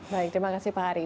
baik terima kasih pak hari